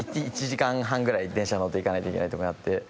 １時間半ぐらい電車乗って行かないといけないとこにあって。